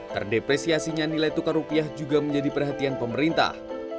terdepresiasinya nilai tukar rupiah juga menjadi perhatian pemerintah